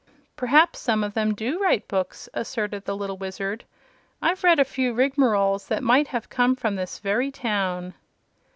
"Perhaps some of 'em do write books," asserted the little Wizard. "I've read a few rigmaroles that might have come from this very town."